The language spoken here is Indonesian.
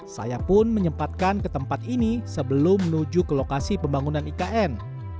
saya pun menyempatkan ke tempat ini sebelum menuju ke lokasi pembangunan ikn